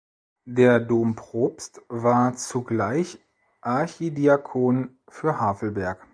Der Dompropst war zugleich Archidiakon für Havelberg.